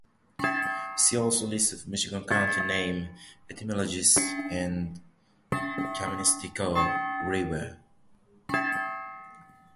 "See also", List of Michigan county name etymologies and Kaministiquia River.